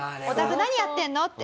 「お宅何やってるの？」